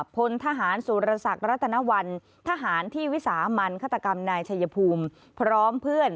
พลทหารสุรสักรัตนวัลทหารที่วิสามันฆาตกรรมนายชัยภูมิพร้อมเพื่อน